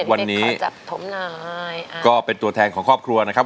วันนี้จัดถมนายก็เป็นตัวแทนของครอบครัวนะครับ